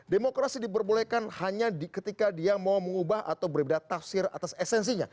demokrasi diperbolehkan hanya ketika dia mau mengubah atau berbeda tafsir atas esensinya